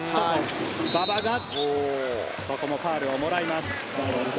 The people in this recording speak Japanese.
馬場がファウルをもらいます。